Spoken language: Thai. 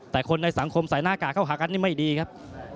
แต่คนในสังคมใส่หน้ากากเข้าหากันนี่ไม่ดีครับ